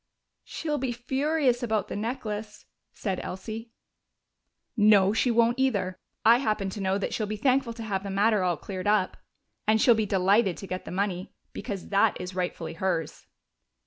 "She'll be furious about the necklace," said Elsie. "No, she won't either. I happen to know that she'll be thankful to have the matter all cleared up. And she'll be delighted to get the money, because that is rightfully hers."